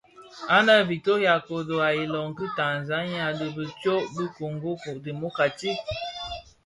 Anë a Victoria kodo a iloň ki Tanzania dhi bi tsog ki a Kongo Democratique.